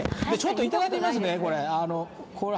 いただいてみますね、これ。